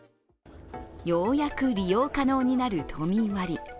ようやく利用可能になる都民割。